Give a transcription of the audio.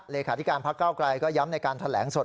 เลขาธิการพักเก้าไกลก็ย้ำในการแถลงสด